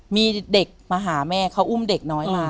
มีเด็กมาหาแม่เขาอุ้มเด็กน้อยมา